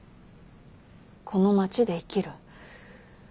この町で生きる。